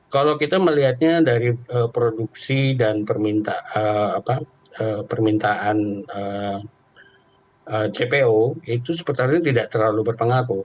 kalau kita melihatnya dari produksi dan permintaan cpo itu sepertinya tidak terlalu berpengaruh